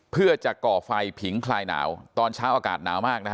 เพื่อจะก่อไฟผิงคลายหนาวตอนเช้าอากาศหนาวมากนะฮะ